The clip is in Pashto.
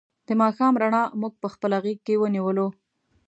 د ماښام رڼا مونږ په خپله غېږ کې ونیولو.